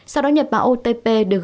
sau đó nhập mã otp được gửi đến tp hcm